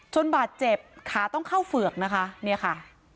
บาดเจ็บขาต้องเข้าเฝือกนะคะเนี่ยค่ะ